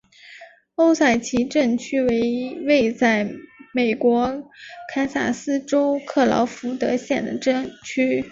欧塞奇镇区为位在美国堪萨斯州克劳福德县的镇区。